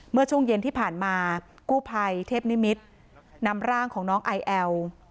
เมื่อช่วงเย็นที่ผ่านมากู้ภัยเทพนิมิตรนำร่างของน้องไอแอล